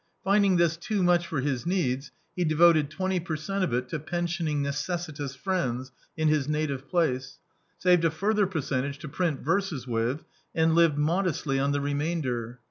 Finding this too much for his needs, he devoted twenty per cent of it to pen sioning necessitous friends in his native place; saved a further percentage to print verses with; and lived modestly on the remainder.